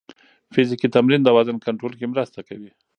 فزیکي تمرین د وزن کنټرول کې مرسته کوي.